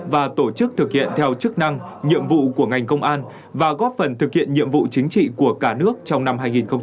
và tổ chức thực hiện theo chức năng nhiệm vụ của ngành công an và góp phần thực hiện nhiệm vụ chính trị của cả nước trong năm hai nghìn hai mươi